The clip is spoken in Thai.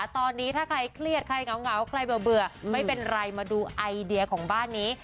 ตอนนี้ถ้าใครเครียดใครเหงาใครเบื่อไม่เป็นไรมาดูไอเดียของบ้านนี้